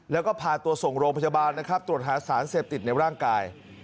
แล้วก็พาตัวส่งโรงพยาบาลนะครับตรวจหาสารเสพติดในร่างกาย